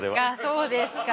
そうですか。